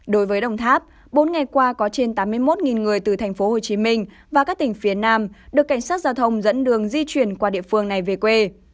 đối với đồng tháp bốn ngày qua có trên tám mươi một người từ thành phố hồ chí minh và các tỉnh phía nam được cảnh sát giao thông dẫn đường di chuyển qua địa phương này về quê